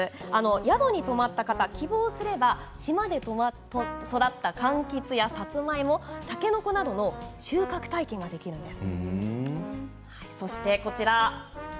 宿に泊まった方希望すれば島で育ったかんきつやさつまいも、たけのこなどの収穫体験ができるんです。